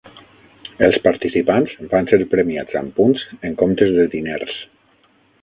Els participants van ser premiats amb punts en comptes de diners.